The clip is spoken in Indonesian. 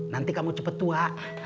nanti kamu cepet tua